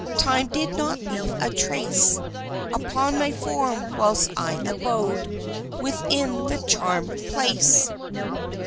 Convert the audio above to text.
Time did not leave a trace Upon my form, whilst I abode Within the charmèd place!